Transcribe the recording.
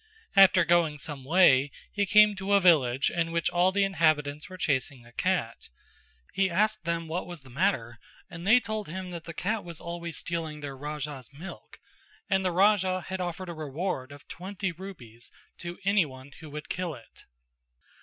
After going some way he came to a village in which all the inhabitants were chasing a cat; he asked them what was the matter and they told him that the cat was always stealing their Raja's milk and the Raja had offered a reward of twenty rupees to anyone who would kill it.